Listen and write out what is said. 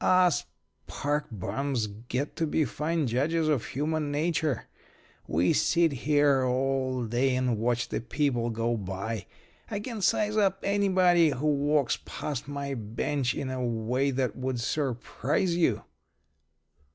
Us park bums get to be fine judges of human nature. We sit here all day and watch the people go by. I can size up anybody who walks past my bench in a way that would surprise you."